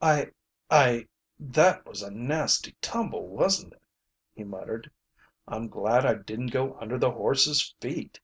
"I I that was a nasty tumble, wasn't it?" he muttered. "I'm glad I didn't go under the horses' feet."